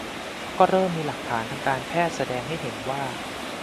ก็เริ่มมีหลักฐานทางการแพทย์แสดงให้เห็นว่า